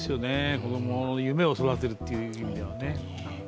子供の夢を育てるという意味ではね。